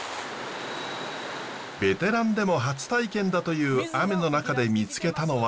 ベテランでも初体験だという雨の中で見つけたのは。